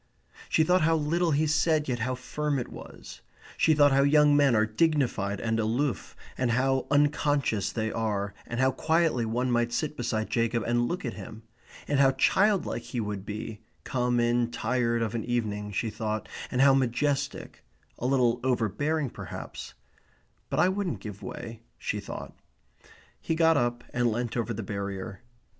She thought how little he said yet how firm it was. She thought how young men are dignified and aloof, and how unconscious they are, and how quietly one might sit beside Jacob and look at him. And how childlike he would be, come in tired of an evening, she thought, and how majestic; a little overbearing perhaps; "But I wouldn't give way," she thought. He got up and leant over the barrier.